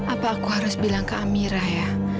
apa aku harus bilang ke amirah ya